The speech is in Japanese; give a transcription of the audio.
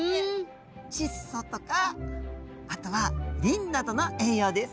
チッ素とかあとはリンなどの栄養です。